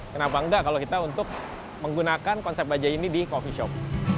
kenapa enggak kalau kita untuk menggunakan konsep bajaj ini di coffee shop